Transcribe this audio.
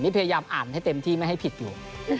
นี่พยายามอ่านให้เต็มที่ไม่ให้ผิดอยู่